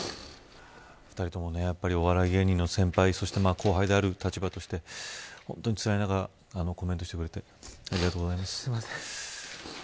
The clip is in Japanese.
２人ともお笑い芸人の先輩そして、後輩である立場として本当につらい中コメントしてくれてありがとうございます。